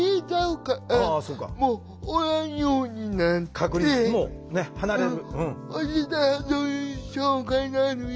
隔離もう離れる。